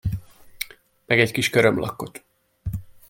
Meg egy kis körömlakkot.